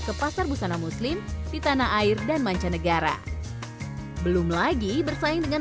ke pasar busana muslim di tanah air dan mancanegara belum lagi bersaing dengan